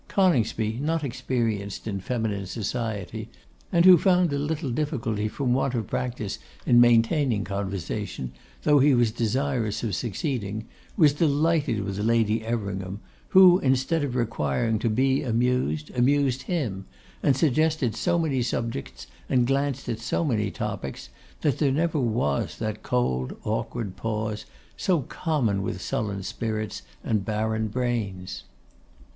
Coningsby, not experienced in feminine society, and who found a little difficulty from want of practice in maintaining conversation, though he was desirous of succeeding, was delighted with Lady Everingham, who, instead of requiring to be amused, amused him; and suggested so many subjects, and glanced at so many topics, that there never was that cold, awkward pause, so common with sullen spirits and barren brains.